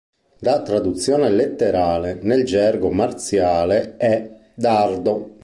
La traduzione letterale nel gergo marziale è "dardo".